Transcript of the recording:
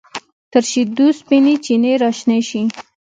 تر شیدو سپینې چینې راشنې شي